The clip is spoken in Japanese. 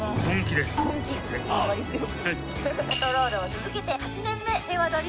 パトロールを続けて８年目平和通り